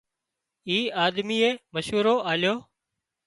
اي آۮميئي مشورو آليو